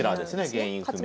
原因不明の。